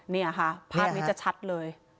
นี่ค่ะภาพนี้จะชัดเลย